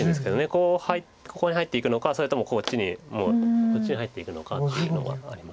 こうここに入っていくのかそれともこっちにもうこっちに入っていくのかっていうのはあります。